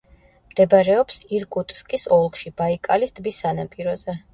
მდებარეობს ირკუტსკის ოლქში, ბაიკალის ტბის სანაპიროზე.